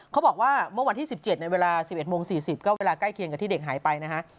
เขาบอกว่าเมื่อวันที่๑๗ในเวลา๑๑โมง๔๐ก็เวลาใกล้เคียงกับที่เด็กหายไปนะฮะ